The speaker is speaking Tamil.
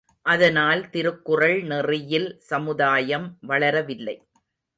அதனால் திருக்குறள் நெறியில் சமுதாயம் வளரவில்லை.